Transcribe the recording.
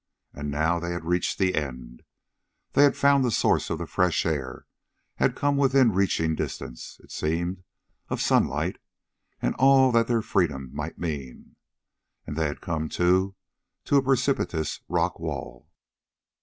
And now they had reached the end. They had found the source of the fresh air, had come within reaching distance, it seemed, of sunlight and all that their freedom might mean. And they had come, too, to a precipitous rock wall.